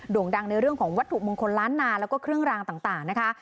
่งดังในเรื่องของวัตถุมงคลล้านนาแล้วก็เครื่องรางต่างนะคะ